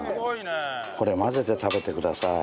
これ混ぜて食べてください。